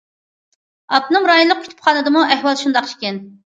ئاپتونوم رايونلۇق كۇتۇپخانىدىمۇ ئەھۋال شۇنداق ئىكەن.